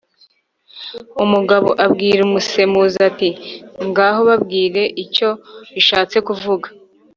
umugabo abwira umusemuzi ati ngaho babwire icyo bishatse kuvuga